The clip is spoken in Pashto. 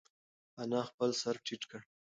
انا خپل سر ټیټ کړ.